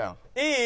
いい？